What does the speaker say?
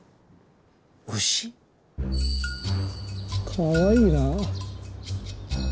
かわいいな。